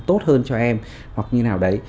tốt hơn cho em hoặc như nào đấy